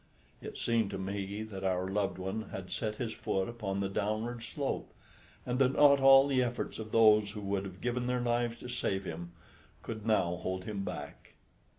It seemed to me that our loved one had set his foot upon the downward slope, and that not all the efforts of those who would have given their lives to save him could now hold him back.